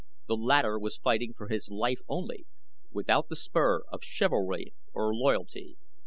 The latter was fighting for his life only, without the spur of chivalry or loyalty.